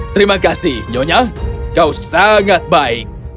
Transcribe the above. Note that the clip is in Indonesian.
terima kasih nyonya kau sangat baik